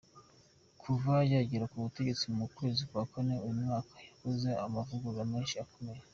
Kuva yagera ku butegetsi mu kwezi kwa kane uyu mwaka, yakoze amavugurura menshi akomeye.